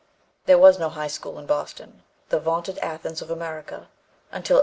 There was no high school in Boston, the vaunted Athens of America, until 1852.